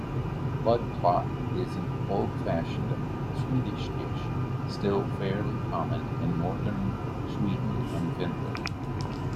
Blodpalt is an old-fashioned Swedish dish still fairly common in northern Sweden and Finland.